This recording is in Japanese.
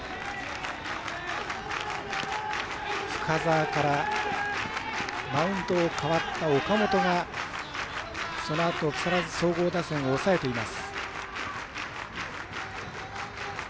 深沢からマウンドを代わった岡本がそのあと、木更津総合打線を抑えています。